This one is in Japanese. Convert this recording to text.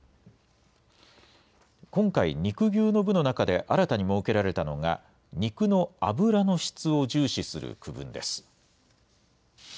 今回、肉牛の部の中で新たに設けられたのが、肉の脂の質を重視する区分です。